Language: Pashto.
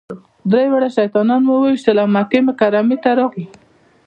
درې واړه شیطانان مو وويشتل او مکې مکرمې ته راغلو.